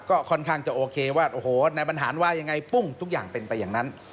ก็ค่อนข้างจะโอเคว่าโอ้โหนายบรรหารว่ายังไงปุ้งทุกอย่างเป็นไปอย่างนั้น